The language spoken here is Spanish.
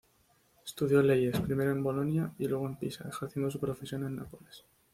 Estudió leyes, primero en Bologna y luego en Pisa, ejerciendo su profesión en Nápoles.